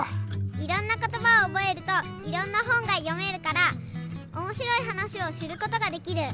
いろんなことばをおぼえるといろんなほんがよめるからおもしろいはなしをしることができる。